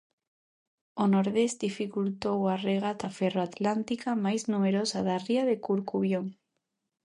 O nordés dificultou a regata Ferroatlántica máis numerosa da ría de Corcubión.